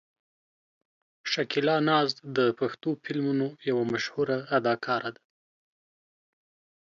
شکیلا ناز د پښتو فلمونو یوه مشهوره اداکاره ده.